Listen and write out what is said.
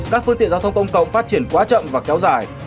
các phương tiện giao thông công cộng phát triển quá chậm và kéo dài